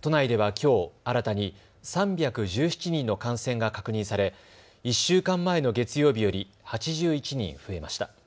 都内ではきょう新たに３１７人の感染が確認され１週間前の月曜日より８１人増えました。